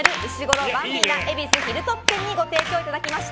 恵比寿ヒルトップ店にご提供いただきました。